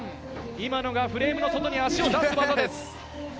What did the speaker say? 今のがフレームの外に足を出す技です。